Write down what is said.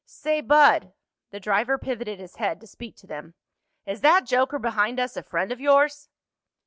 "Say, bud"—the driver pivoted his head to speak to them—"is that joker behind us a friend of yours?"